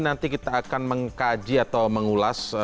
nanti kita akan mengkaji atau mengulas